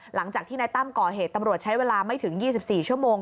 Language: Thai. หลังจากที่นายตั้มก่อเหตุตำรวจใช้เวลาไม่ถึง๒๔ชั่วโมง